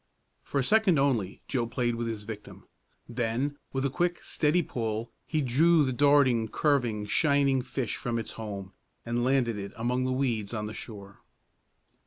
For a second only Joe played with his victim. Then, with a quick, steady pull, he drew the darting, curving, shining fish from its home, and landed it among the weeds on the shore.